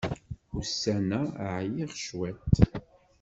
Ussan-a ɛyiɣ cwiṭ.